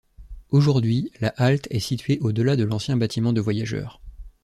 Aujourd'hui, la halte est située au-delà de l'ancien bâtiment de voyageurs.